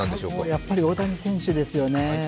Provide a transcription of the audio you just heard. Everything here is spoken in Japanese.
もうやっぱり大谷選手ですよね。